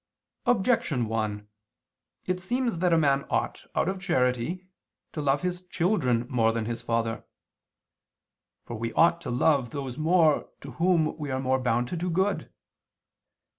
Objection 1: It seems that a man ought, out of charity, to love his children more than his father. For we ought to love those more to whom we are more bound to do good.